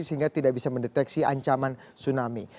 sehingga tidak bisa mendeteksi ancaman tsunami